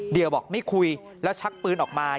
เดียวบอกไม่คุยแล้วชักปืนออกมา